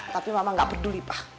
tapi mama gak peduli pak